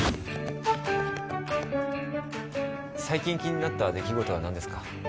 最近気になった出来事は何ですか？